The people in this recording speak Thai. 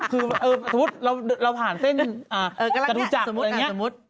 คือสมมุติเราผ่านเส้นจรุจักรอะไรอย่างนี้